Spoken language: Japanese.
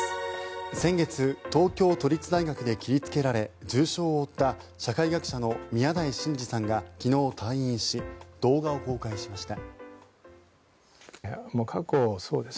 先月、東京都立大学で切りつけられ重傷を負った社会学者の宮台真司さんが昨日、退院し動画を公開しました。